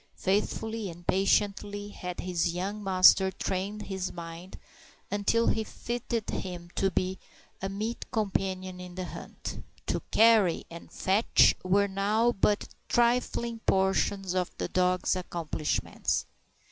Faithfully and patiently had his young master trained his mind, until he fitted him to be a meet companion in the hunt. To "carry" and "fetch" were now but trifling portions of the dog's accomplishments.